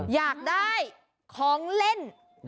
อยากได้ของเล่น